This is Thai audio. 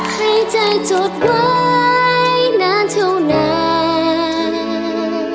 ให้ใจจดไว้นานเท่านั้น